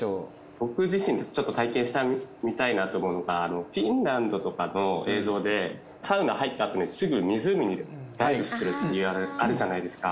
僕自身ちょっと体験してみたいなと思うのがフィンランドとかの映像でサウナ入ったあとにすぐ湖にダイブするっていうあるじゃないですか。